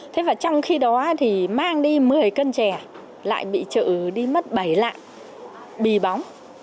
thế và trong khi đó thì mang đi một mươi cân chè lại bị trợ đi mất bảy lạ bì bóng